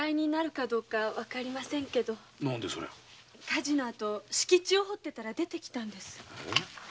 火事の後敷地を掘っていたら出てきたんです。